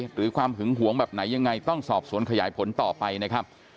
หรือความหึงหวงแบบไหนยังไงต้องสอบสวนขยายผลต่อไปนะครับ